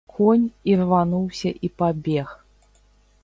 Конь ірвануўся і пабег.